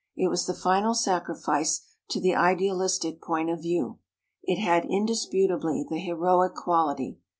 It was the final sacrifice to the idealistic point of view. It had indisputably the heroic quality.